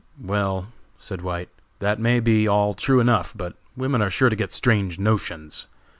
"Well," said White, "that may be all true enough, but women are sure to get strange notions.